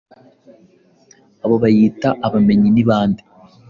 abo biyita abamenyi ni bande